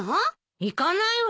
行かないわよ。